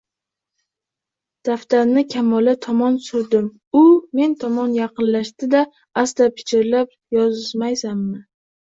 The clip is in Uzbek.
Daftarni Kamola tomon surdim, u men tomon yaqinlashdi-da asta pichirlab Yozmaysanmi